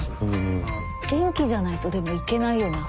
元気じゃないとでも行けないよね